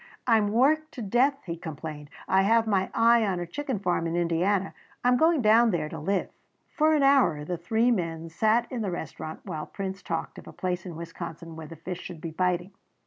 "I am worked to death," he complained; "I have my eye on a chicken farm in Indiana. I am going down there to live." For an hour the three men sat in the restaurant while Prince talked of a place in Wisconsin where the fish should be biting.